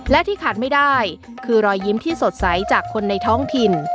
และที่ขาดไม่ได้คือรอยยิ้มที่สดใสจากคนในท้องถิ่น